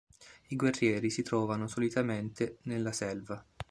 I guerrieri si trovano solitamente nella Selva.